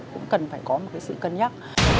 cũng cần phải có một cái sự cân nhắc